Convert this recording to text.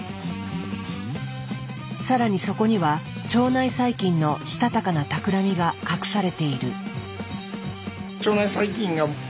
更にそこには腸内細菌のしたたかなたくらみが隠されている。